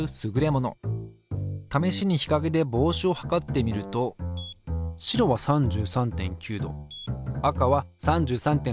ためしにひかげで帽子を測ってみると白は３３．９℃赤は３３．６℃。